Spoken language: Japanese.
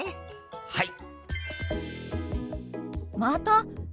はい！